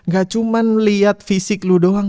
gak cuman liat fisik lu doang